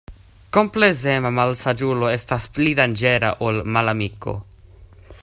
Komplezema malsaĝulo estas pli danĝera ol malamiko.